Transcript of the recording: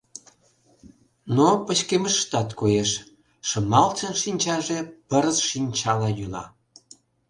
Но пычкемыштат коеш: Шымалчын шинчаже пырыс шинчала йӱла.